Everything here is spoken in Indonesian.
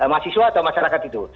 mahasiswa atau masyarakat itu